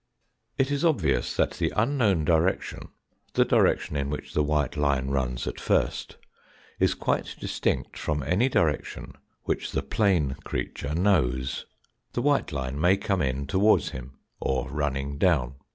It is obvious that the unknown direction, the direction in which the white line runs at first, is quite distinct from any direction which the plane creature knows. The white line may come in towards him, or running down.